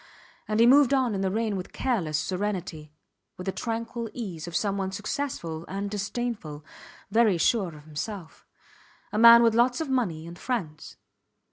And he moved on in the rain with careless serenity, with the tranquil ease of someone successful and disdainful, very sure of himself a man with lots of money and friends.